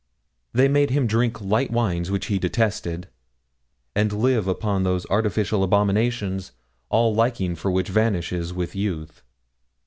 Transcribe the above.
They made him drink light wines, which he detested, and live upon those artificial abominations all liking for which vanishes with youth.